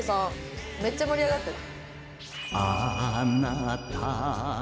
めっちゃ盛り上がってる。